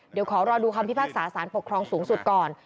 เดี๋ยวขอรอดูคำพิพากษาสารปกครองสูงสุดก่อน